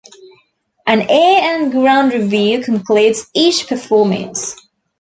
An air and ground review concludes each performance.